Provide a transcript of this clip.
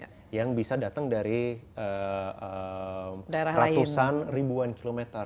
jadi itu bisa dikira dari ratusan ribuan kilometer